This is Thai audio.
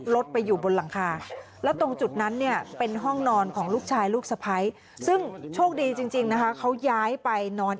รถไปอยู่บนหลังคา